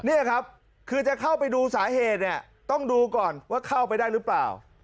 นี่ครับคือจะเข้าไปดูสาเหตุเนี่ยต้องดูก่อนว่าเข้าไปได้หรือเปล่า